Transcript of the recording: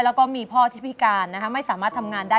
แล้วก็มีพ่อที่พิการไม่สามารถทำงานได้